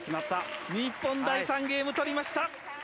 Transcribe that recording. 日本、第３ゲーム、取りました。